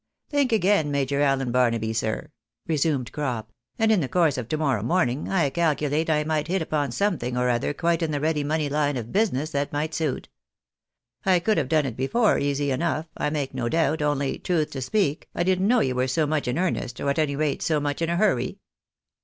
"Think again. Major Allen Barnaby, sir," resumed Crop, "and in the course of to morrow morning, I calculate I might hit upon something or other quite in the ready money line of business that might suit. I could have done it' before, easy enough, I make no doubt, only, truth to speak, I didn't know you were so much in earnest, or at any rate so much in a hurry."